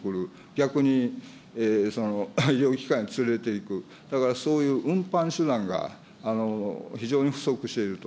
逆に医療機関に連れていく、だからそういう運搬手段が非常に不足していると。